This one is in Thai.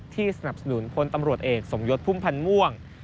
สนับสนุนพลตำรวจเอกสมยศพุ่มพันธ์ม่วง